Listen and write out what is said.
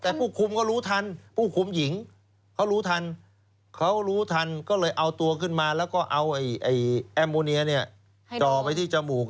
แต่ผู้คุมก็รู้ทันผู้คุมหญิงเขารู้ทันเขารู้ทันก็เลยเอาตัวขึ้นมาแล้วก็เอาแอมโมเนียเนี่ยจ่อไปที่จมูก